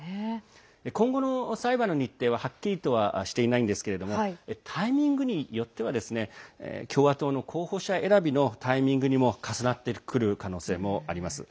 今後の裁判の日程ははっきりとはしていないんですがタイミングによっては共和党の候補者選びのタイミングにも重なってくる可能性もあります。